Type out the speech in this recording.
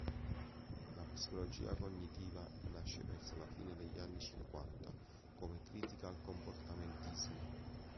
La psicologia cognitiva nasce verso la fine degli anni cinquanta come critica al comportamentismo.